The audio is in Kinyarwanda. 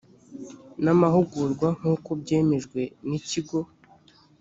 n amahugurwa nk uko byemejwe n ikigo